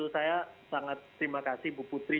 saya sangat terima kasih bu putri